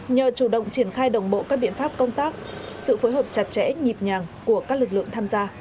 nhờ chủ động triển khai đồng bộ các biện pháp công tác sự phối hợp chặt chẽ nhịp nhàng của các lực lượng tham gia